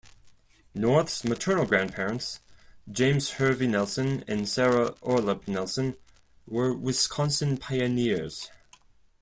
North's maternal grandparents, James Hervey Nelson and Sarah Orelup Nelson, were Wisconsin pioneers.